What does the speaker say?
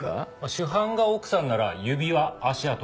主犯が奥さんなら指輪足跡